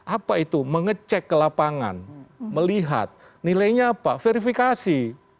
apa itu mengecek ke lapangan melihat nilainya apa verifikasi